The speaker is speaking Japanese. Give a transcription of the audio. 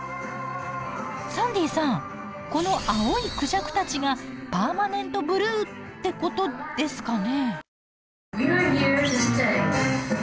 サンディーさんこの青いクジャクたちがパーマネントブルーってことですかね？